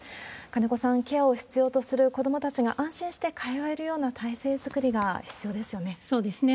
金子さん、ケアを必要とする子どもたちが安心して通えるような体制作りが必そうですね。